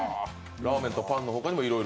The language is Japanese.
ラーメンとパンの他にもいろいろと。